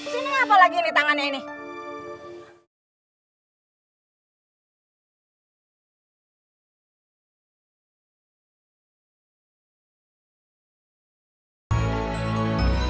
sini apa lagi ini tangannya ini